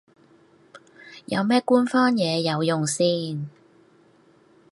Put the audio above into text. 有咩官方嘢有用先